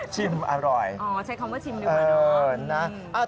ชิมอร่อยใช้คำว่าชิมดื่มอ่ะน้อง